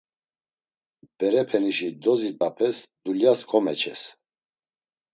Berepenişi dozit̆apes, dulyas komeçes.